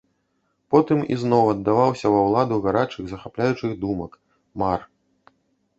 Потым ізноў аддаваўся ва ўладу гарачых, захапляючых думак, мар.